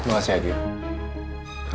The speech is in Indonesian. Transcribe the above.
terimakasih ya ging